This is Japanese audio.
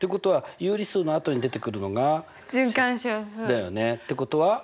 だよね。ってことは。